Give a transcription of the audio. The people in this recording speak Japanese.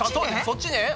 そっちね。